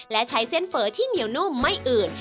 และใช้เส้นเฟ้อที่เหนียวนุ่มไม่อืด